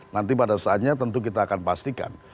nanti pada saatnya tentu kita akan pastikan